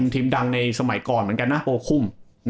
ทีมดังในสมัยก่อนเหมือนกันนะโปคุ่ม